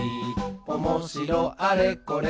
「おもしろあれこれ